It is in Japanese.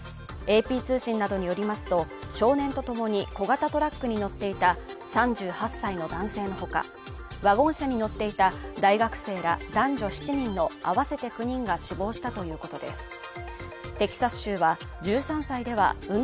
ＡＰ通信などによりますと少年とともに小型トラックに乗っていた３８歳の男性のほかワゴン車に乗っていた大学生ら男女７人の合わせて９人が死亡したということです